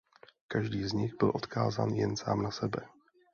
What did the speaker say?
Každý z nich byl odkázán jen sám na sebe.